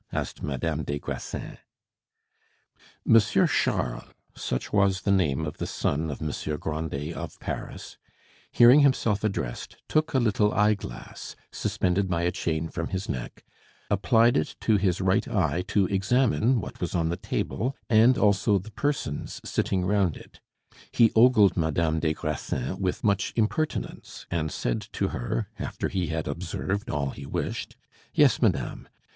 asked Madame des Grassins. Monsieur Charles, such was the name of the son of Monsieur Grandet of Paris, hearing himself addressed, took a little eye glass, suspended by a chain from his neck, applied it to his right eye to examine what was on the table, and also the persons sitting round it. He ogled Madame des Grassins with much impertinence, and said to her, after he had observed all he wished, "Yes, madame.